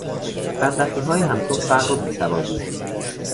بدبختیهایی همچون فقر و بیسوادی